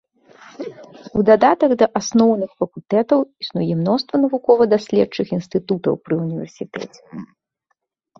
У дадатак да асноўных факультэтаў існуе мноства навукова-даследчых інстытутаў пры ўніверсітэце.